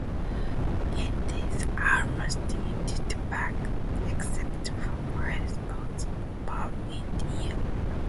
It is almost entirely black, except for white spots above each eye.